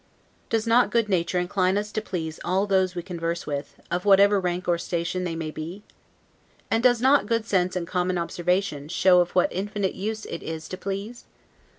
Does not good nature incline us to please all those we converse with, of whatever rank or station they may be? And does not good sense and common observation, show of what infinite use it is to please?